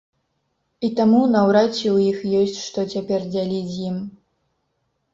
І таму, наўрад ці у іх ёсць, што цяпер дзяліць з ім.